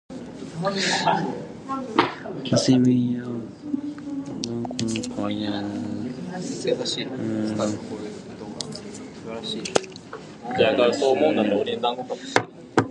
The same year, Bern conquered the hitherto Savoyard Vaud and also instituted Protestantism there.